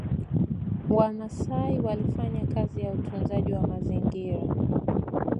Wamaasai walifanya kazi ya utunzaji wa mazingra